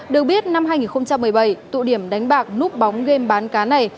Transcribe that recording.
được biết năm hai nghìn một mươi bảy tụ điểm đánh bạc núp bóng game bán cá này